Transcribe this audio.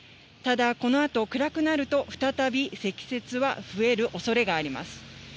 ただ、このあと暗くなると、再び積雪は増えるおそれがあります。